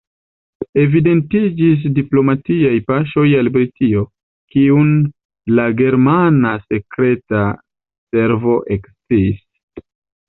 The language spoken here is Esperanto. Evidentiĝis diplomatiaj paŝoj al Britio, kiun la germana sekreta servo eksciis.